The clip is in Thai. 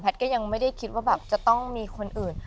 ก็ยังไม่ได้คิดว่าแบบจะต้องมีคนอื่น